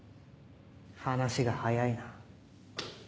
話が早いな。